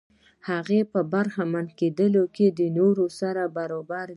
هغه په برخمن کېدو کې له نورو سره برابر دی.